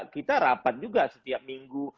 kita rapat juga setiap minggu